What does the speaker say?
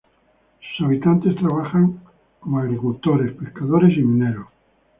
Sus habitantes trabajan como agricultores, pescadores y mineros.